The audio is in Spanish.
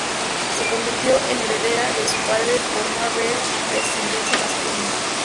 Se convirtió en heredera de su padre por no haber descendencia masculina.